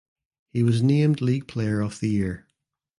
He was named league player of the year.